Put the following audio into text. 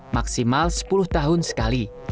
maksimal sepuluh tahun sekali